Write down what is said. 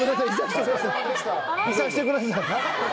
いさせてください。